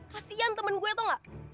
kasian temen gue tuh gak